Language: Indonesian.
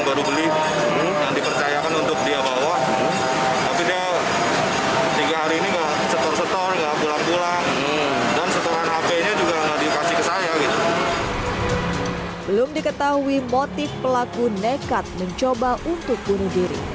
belum diketahui motif pelaku nekat mencoba untuk bunuh diri